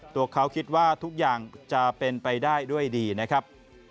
ตัวเขาคิดว่าทุกอย่างจะเป็นไปได้ด้วยดีนะครับ